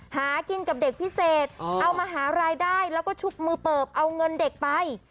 หากินกับเด็กพิเศษเอามาหารายได้แล้วก็ชุกมือเปิบเอาเงินเด็กไป